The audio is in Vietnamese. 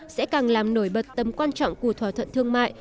sẽ càng làm nổi bật tầm quan trọng của thỏa thuận thương mại